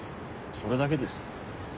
それだけですよ。